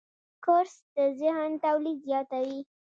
کورس د ذهن تولید زیاتوي.